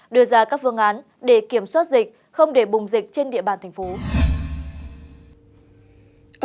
đưa ra các phương án để kiểm soát dịch không để bùng dịch trên địa bàn thành phố